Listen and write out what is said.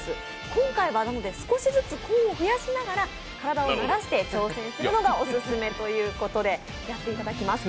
今回は、少しずつコーンを増やしながら、体を慣らして挑戦するのがオススメということで、やっていただきます。